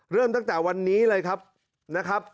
เริ่มตั้งแต่วันนี้เลยครับ